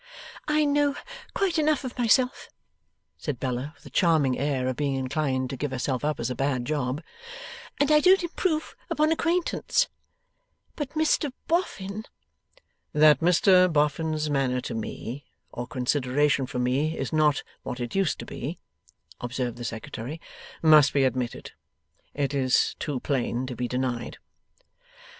'I know quite enough of myself,' said Bella, with a charming air of being inclined to give herself up as a bad job, 'and I don't improve upon acquaintance. But Mr Boffin.' 'That Mr Boffin's manner to me, or consideration for me, is not what it used to be,' observed the Secretary, 'must be admitted. It is too plain to be denied.